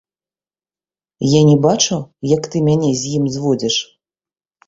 Я не бачу, як ты мяне з ім зводзіш?